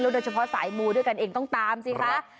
โดยเฉพาะสายมูด้วยกันเองต้องตามสิคะ